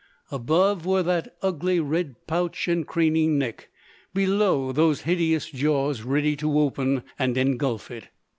Above were that ugly red pouch and craning neck; below, those hideous jaws, ready to open and engulf it.